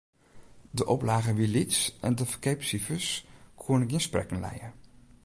De oplage wie lyts en de ferkeapsifers koene gjin sprekken lije.